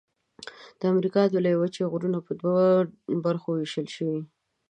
د امریکا د لویې وچې غرونه په دوو برخو ویشل شوي.